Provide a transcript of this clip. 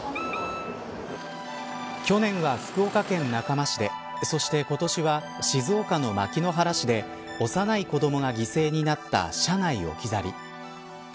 去年は、福岡県中間市でそして今年は静岡の牧之原市で幼い子どもが犠牲になった車内置き去り。